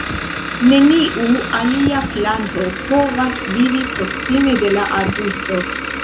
Neniu alia planto povas vivi proksime de la arbusto.